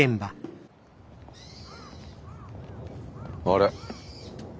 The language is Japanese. あれ？